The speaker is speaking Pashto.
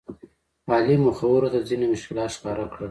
علي مخورو ته ځینې مشکلات ښکاره کړل.